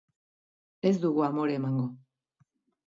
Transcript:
Ez dugu amore emango.